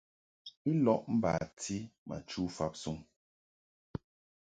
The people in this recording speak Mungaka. I lɔʼ bati ma chu fabsuŋ.